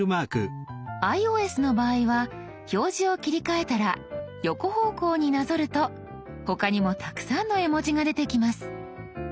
ｉＯＳの場合は表示を切り替えたら横方向になぞると他にもたくさんの絵文字が出てきます。